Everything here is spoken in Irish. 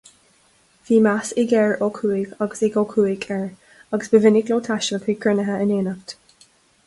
Bhí meas ag ar Ó Cuaig agus ag Ó Cuaig air, agus ba mhinic leo taisteal chuig cruinnithe in éineacht.